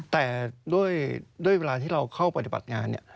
แต่ด้วยเวลาที่เราเข้าปฏิบัติงานเนี่ย